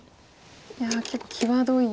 いや結構際どい。